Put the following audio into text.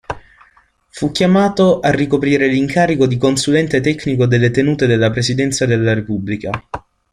Fu chiamato a ricoprire l'incarico di Consulente Tecnico delle Tenute della Presidenza della Repubblica.